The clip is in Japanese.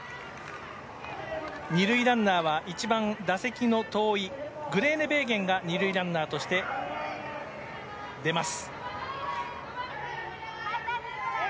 ２塁ランナーは一番打席の遠いグレーネベーゲンが２塁ランナーとして出ます。